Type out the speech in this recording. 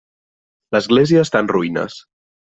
L'església està en ruïnes.